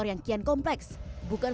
namun kamera istilah